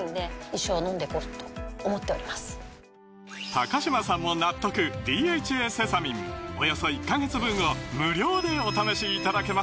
高嶋さんも納得「ＤＨＡセサミン」およそ１カ月分を無料でお試しいただけます